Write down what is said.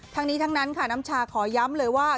ทั้งนี้ทั้งนั้นค่ะน้ำชาขอย้ำเลยว่า